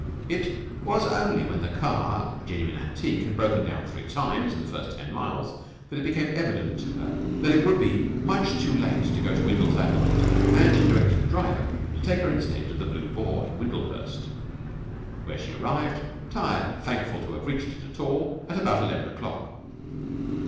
It was only when the car, a genuine antique, had broken down three times in the first ten miles, that it became evident to her that it would be much too late to go to Windles that night, and she directed the driver to take her instead to the "Blue Boar" in Windlehurst, where she arrived, tired but thankful to have reached it at all, at about eleven o'clock.